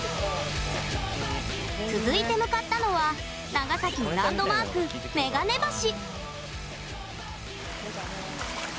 続いて向かったのは長崎のランドマーク、眼鏡橋。